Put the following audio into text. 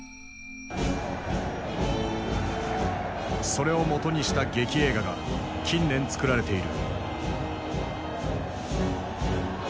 それをもとにした劇映画が近年作られている。